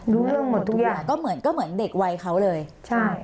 รู้เรื่องหมดทุกอย่างก็เหมือนก็เหมือนเด็กวัยเขาเลยใช่